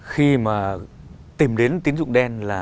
khi mà tìm đến tín dụng đen